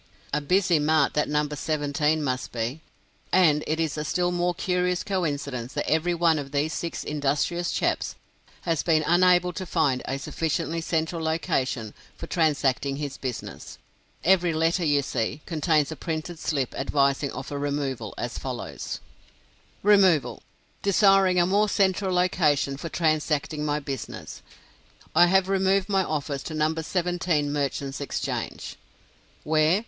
A busy mart that No. 17 must be! And it is a still more curious coincidence that every one of these six industrious chaps has been unable to find a sufficiently central location for transacting his business. Every letter you see, contains a printed slip advising of a removal, as follows: "REMOVAL. Desiring a more central location for transacting my business, I have removed my office to No. 17 Merchants Exchange." Where?